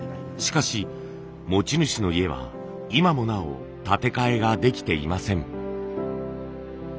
しかし持ち主の家は今もなお建て替えができていません。